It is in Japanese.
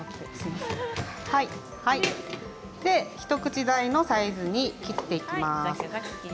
一口大のサイズに切っていきます。